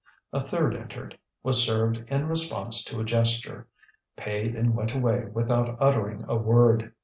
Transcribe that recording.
A third entered, was served in response to a gesture, paid and went away without uttering a word.